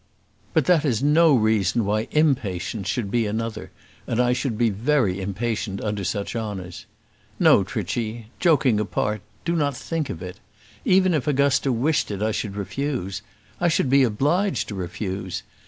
"But that is no reason why Impatience should be another, and I should be very impatient under such honours. No, Trichy; joking apart, do not think of it. Even if Augusta wished it I should refuse. I should be obliged to refuse.